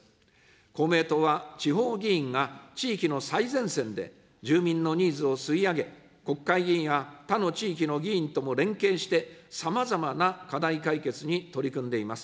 公明党は地方議員が地域の最前線で、住民のニーズを吸い上げ、国会議員や他の地域の議員とも連携して、さまざまな課題解決に取り組んでいます。